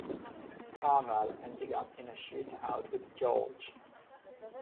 Carmel, ending up in a shootout with George.